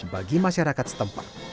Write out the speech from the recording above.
bagi masyarakat setempat